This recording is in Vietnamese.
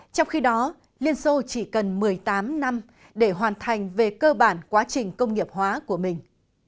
trong khi đó liên xô chỉ cần một mươi tám năm để hoàn thành về cơ bản quá trình công nghiệp hóa của mình